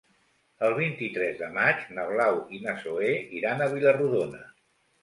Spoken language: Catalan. El vint-i-tres de maig na Blau i na Zoè iran a Vila-rodona.